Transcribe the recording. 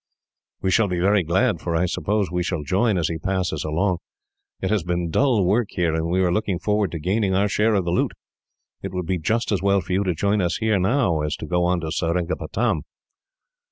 "We shall be very glad, for I suppose we shall join, as he passes along. It has been dull work here, and we are looking forward to gaining our share of the loot. It would be just as well for you to join us here now, as to go on to Seringapatam."